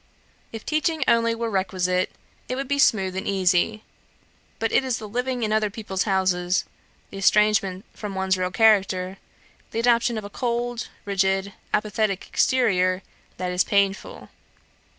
If teaching only were requisite, it would be smooth and easy; but it is the living in other people's houses the estrangement from one's real character the adoption of a cold, rigid, apathetic exterior, that is painful